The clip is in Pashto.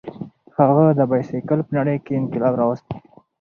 هغه د بایسکل په نړۍ کې انقلاب راوست.